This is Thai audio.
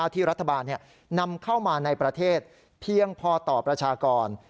ที่รัฐบาลนำเข้ามาในประเทศเพียงพอต่อประชากร